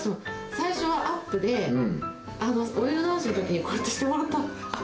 最初はアップで、お色直しのときにこうやってしてもらった。